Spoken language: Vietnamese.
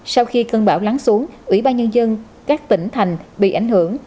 sau khi cơn bão lắng xuống ủy ban nhân dân các tỉnh thành bị ảnh hưởng